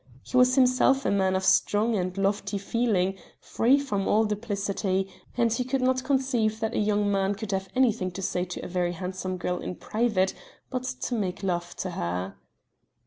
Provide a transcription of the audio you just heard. He was himself a man of strong and lofty feeling, free from all duplicity, and he could not conceive that a young man could have anything to say to a very handsome girl in private but to make love to her.